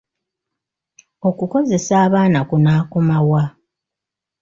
Okukozesa abaana kunaakoma wa?